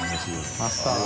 マスタード。